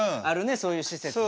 そういう施設ね。